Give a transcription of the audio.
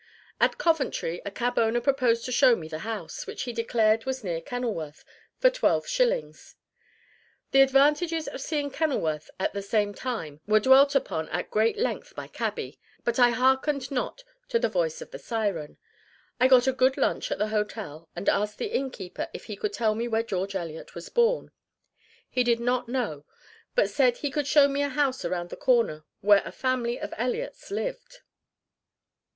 At Coventry a cab owner proposed to show me the house, which he declared was near Kenilworth, for twelve shillings. The advantages of seeing Kenilworth at the same time were dwelt upon at great length by cabby, but I harkened not to the voice of the siren. I got a good lunch at the hotel, and asked the innkeeper if he could tell me where George Eliot was born. He did not know, but said he could show me a house around the corner where a family of Eliots lived.